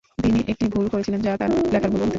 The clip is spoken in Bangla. তিনি একটি ভুল করেছিলেন যা তার লেখার ভুলও হতে পারে।